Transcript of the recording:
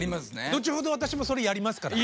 後ほど私もそれやりますから。